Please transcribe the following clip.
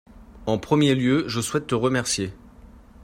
en premier lieu je souhaite te remercier.